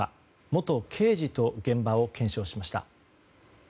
元刑事と現場を検証しました。